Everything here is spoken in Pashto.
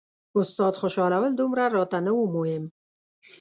استاد خوشحالول دومره راته نه وو مهم.